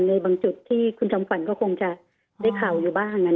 ในบางจุดที่คุณจำขวัญก็คงจะได้ข่าวอยู่บ้าง